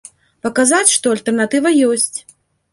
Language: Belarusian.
Паказаць, што альтэрнатыва ёсць.